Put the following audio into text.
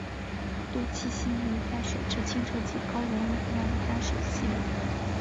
多栖息于在水质清澈及高溶氧量的淡水溪流。